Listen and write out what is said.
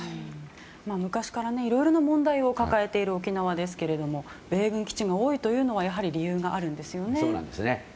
昔からいろいろな問題を抱えている沖縄ですが米軍基地が多いというのは理由があるんですね。